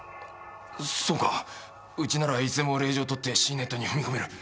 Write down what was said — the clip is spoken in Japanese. そうかうちならいつでも令状取ってシーネットに踏み込める。